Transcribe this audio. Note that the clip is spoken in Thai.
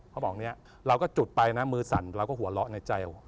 เขาบอกเนี่ยเราก็จุดไปนะมือสั่นเราก็หัวเราะในใจ